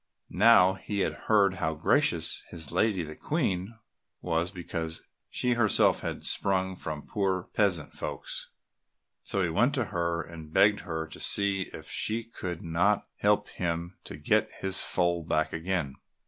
Now he had heard how gracious his lady the Queen was because she herself had sprung from poor peasant folks, so he went to her and begged her to see if she could not help him to get his foal back again.